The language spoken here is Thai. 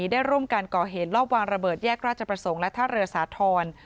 ที่ยังคงหลบหนีได้ร่วมการก่อเหตุรอบวางระเบิดแยกราชประสงค์และท่าเรือสาธรรม